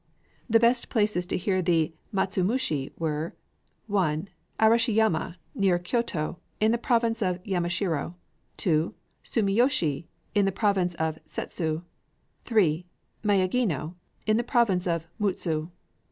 The best places to hear the matsumushi were: (1) Arashiyama, near Kyōto, in the province of Yamashiro; (2) Sumiyoshi, in the province of Settsu; (3) Miyagino, in the province of Mutsu.